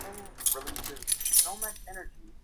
হ্যাঁ, হট তো বটেই তার চোখগুলো দেখ!